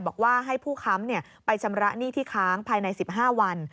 บอกว่าให้ผู้ค้ำไปชำระหนี้ที่ค้างภายใน๑๕วัน